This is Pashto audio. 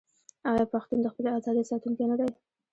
آیا پښتون د خپلې ازادۍ ساتونکی نه دی؟